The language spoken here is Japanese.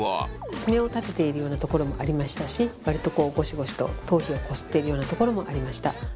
爪を立てているようなところもありましたし割とこうゴシゴシと頭皮をこすっているようなところもありました。